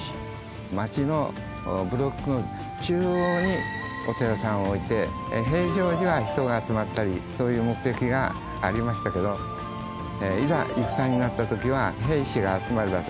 町のブロックの中央にお寺さんを置いて平常時は人が集まったりそういう目的がありましたけどいざ戦になった時は兵士が集まる場所。